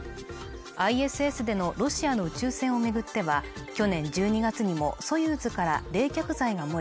ＩＳＳでのロシアの宇宙船を巡っては去年１２月にも「ソユーズ」から冷却剤が漏れ